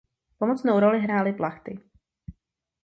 Pomocnou roli hrály plachty.